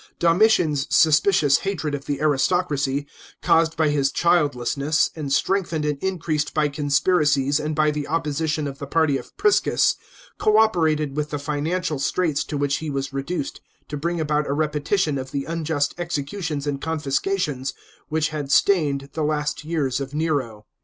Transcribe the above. f Domitian's suspicions hatred of the aristocracy, caused by his childlessness, and strengthened and increased by conspiracies and by the opposition of the party of Priscus, co operated with the financial straits to which he was reduced, to bring about a repetition of the unjust executions and confiscations which had stained the last years of Nero.